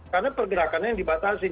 karena pergerakannya yang dibatasin